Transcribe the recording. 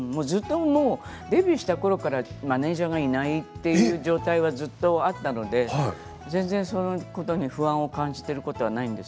デビューしたころからずっとマネージャーがいないという状態だったので全然そのことに不満を感じていることはないんです。